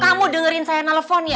kamu dengerin saya nelfon ya